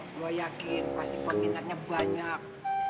gue yakin pasti peminatnya banyak